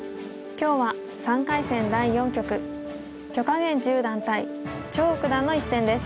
今日は３回戦第４局許家元十段対張栩九段の一戦です。